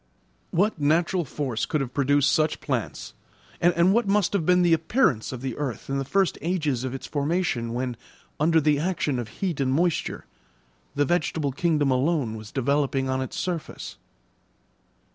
What natural force could have produced such plants, and what must have been the appearance of the earth in the first ages of its formation, when, under the action of heat and moisture, the vegetable kingdom alone was developing on its surface?